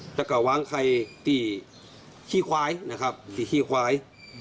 แล้วก็วางไข่ที่ขี้ควายนะครับที่ขี้ควาย